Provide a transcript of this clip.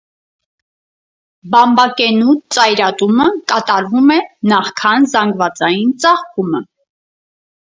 Բամբակենու ծայրատումը կատարվում է նախքան զանգվածային ծաղկումը։